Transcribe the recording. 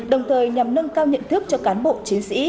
đồng thời nhằm nâng cao nhận thức cho cán bộ chiến sĩ